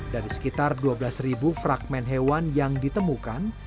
dari sekitar dua belas ribu fragment hewan yang ditemukan